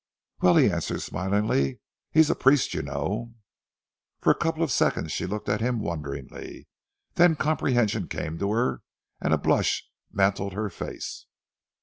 "Well," he answered smilingly, "he is a priest you know." For a couple of seconds she looked at him wonderingly, then comprehension came to her, and a blush mantled her face.